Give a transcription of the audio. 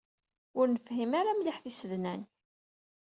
Ur nefhim ara mliḥ tisednan.